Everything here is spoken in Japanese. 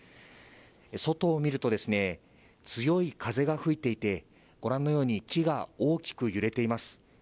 外を見ると、強い風が吹いていてご覧のように木が大きく揺れています。